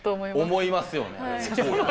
思いますよね。